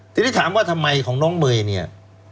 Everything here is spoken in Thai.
ทีนี้ถามว่าทำไมของน้องเมย์เนี่ย